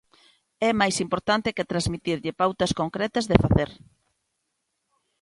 É máis importante que transmitirlle pautas concretas de facer.